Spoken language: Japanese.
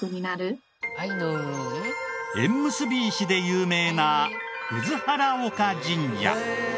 縁結び石で有名な葛原岡神社。